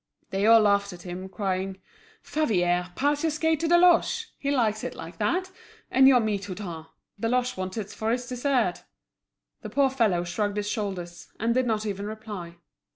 They all laughed at him, crying: "Favier, pass your skate to Deloche. He likes it like that. And your meat, Hutin; Deloche wants it for his dessert." The poor fellow shrugged his shoulders, and did not even reply.